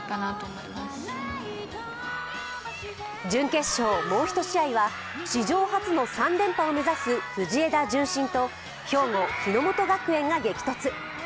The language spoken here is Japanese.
準決勝、もう１試合は史上初の３連覇を目指す藤枝順心と兵庫・日ノ本学園が激突。